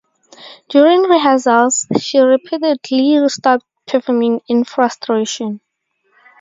During rehearsals she repeatedly stopped performing in frustration.